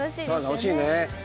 楽しいね。